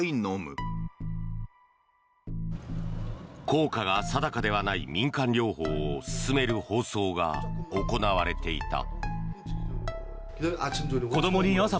効果が定かではない民間療法を勧める放送が行われていた。